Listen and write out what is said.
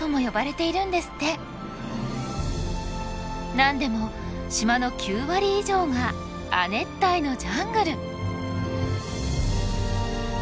なんでも島の９割以上が亜熱帯のジャングル。